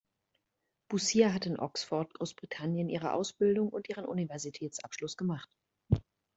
Busia hat in Oxford, Großbritannien ihre Ausbildung und ihren Universitätsabschluss gemacht.